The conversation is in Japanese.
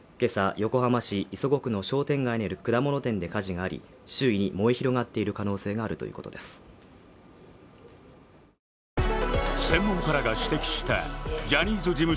横浜市磯子区の商店街にある果物店で火事があり周囲に燃え広がっている可能性があるということですうわ